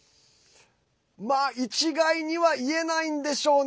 一概には言えないんでしょうね。